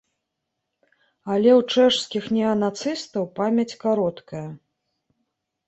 Але ў чэшскіх неанацыстаў памяць кароткая.